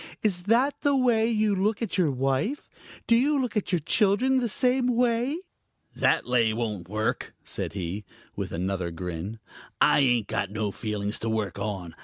"Is that the way you look at your wife? Do you look at your children the same way?" "That lay won't work," said he, with another grin. "I ain't got no feelings to work on.